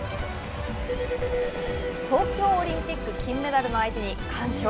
東京オリンピック金メダルの相手に完勝。